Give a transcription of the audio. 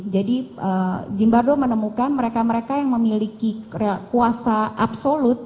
jadi zimbardo menemukan mereka mereka yang memiliki kuasa absolut